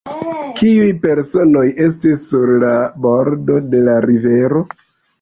Kiuj personoj estis sur la bordo de la rivero?